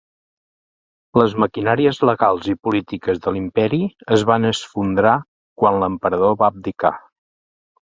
Les maquinàries legals i polítiques de l'Imperi es van esfondrar quan l'emperador va abdicar.